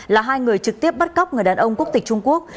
là hai người trực tiếp bắt cóc người đàn ông quốc tịch trung quốc